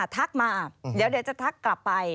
ทักมาเดี๋ยวจะทักกลับไป